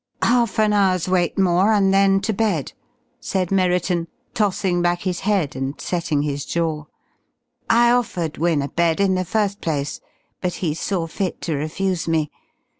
"Half an hour's wait more, and then to bed," said Merriton, tossing back his head and setting his jaw. "I offered Wynne a bed in the first place, but he saw fit to refuse me.